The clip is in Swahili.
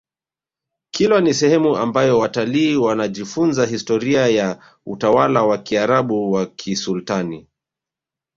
kilwa ni sehemu ambayo watalii wanajifunza historia ya utawala wa kiarabu wa kisultani